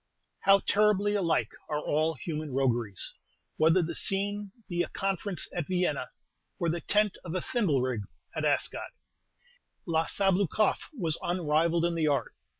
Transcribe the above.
How terribly alike are all human rogueries, whether the scene be a conference at Vienna, or the tent of a thimblerig at Ascot! La Sabloukoff was unrivalled in the art.